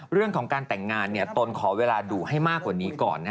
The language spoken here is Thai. เรื่องของการแต่งงานตนขอเวลาดุให้มากกว่านี้ก่อน